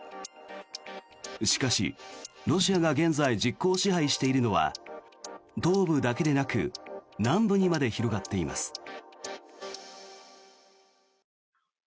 しかし、ロシアが現在実効支配しているのは東部だけでなく南部にまで広がっています。